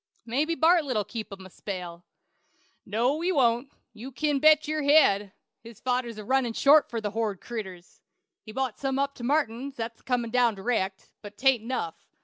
Mabbe Bartlett'll keep him a spell." "No, he won't; you kin bet your head. His fodder's a runnin' short for the hornid critters. He's bought some up to Martin's, that's a comin' down dyrect; but 'tain't enough.